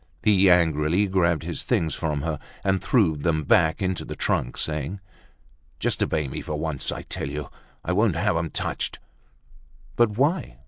He angrily grabbed his things from her and threw them back into the trunk, saying: "Just obey me, for once! I tell you I won't have 'em touched!" "But why?"